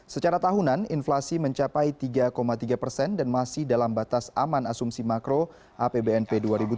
secara tahunan inflasi mencapai tiga tiga persen dan masih dalam batas aman asumsi makro apbnp dua ribu tujuh belas